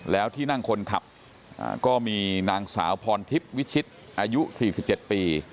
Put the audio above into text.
แล้วที่นั่งคนขับก็มีนางสาวพรทิพย์วิชิตอายุ๔๗ปี